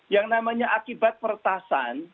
yang namanya akibat pertasan